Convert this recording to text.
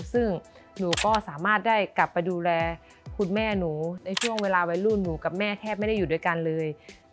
ซึ่งหนูก็สามารถได้กลับไปดูแลคุณแม่หนูในช่วงเวลาวัยรุ่นหนูกับแม่แทบไม่ได้อยู่ด้วยกันเลย